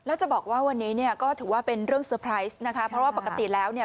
แล้วจะบอกว่าวันนี้เนี่ยก็ถือว่าเป็นเรื่องเซอร์ไพรส์นะคะเพราะว่าปกติแล้วเนี่ย